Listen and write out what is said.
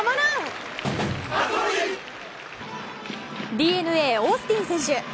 ＤｅＮＡ、オースティン選手。